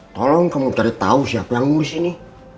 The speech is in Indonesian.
tolong kamu cari tahu siapa yang ngurus ini